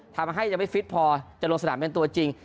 ทำให้ยังไม่ฟิตพอจะลงสนามเป็นตัวจริง